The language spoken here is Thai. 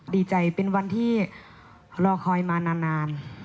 ดีใจเป็นวันที่รอคอยมานาน